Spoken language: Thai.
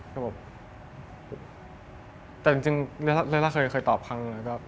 แต่ที่จริงลิซ่าเคยตอบคัน